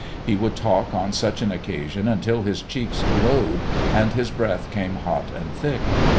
He would talk on such an occasion until his cheeks glowed and his breath came hot and thick.